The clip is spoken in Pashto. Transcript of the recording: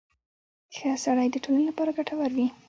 • ښه سړی د ټولنې لپاره ګټور وي.